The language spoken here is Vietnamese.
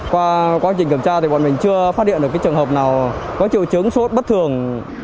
qua quá trình kiểm tra thì bọn mình chưa phát hiện được trường hợp nào có triệu chứng sốt bất thường